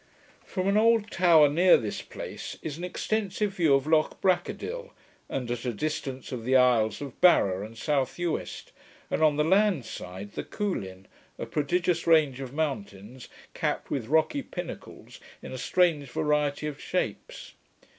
From an old tower, near this place, is an extensive view of Loch Braccadil, and, at a distance, of the isles of Barra and South Uist; and on the landside, the Cuillin, a prodigious range of mountains, capped with rocky pinnacles in a strange variety of shapes.